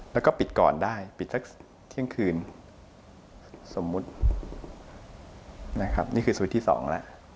แล้วก็ปิดก่อนได้ปิดสักเที่ยงคืนสมมุตินะครับนี่คือสวิตช์ที่สองแล้ว